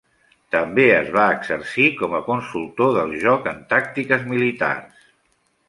També es va exercir com a consultor del joc en tàctiques militars.